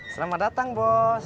selamat datang di parkiran kami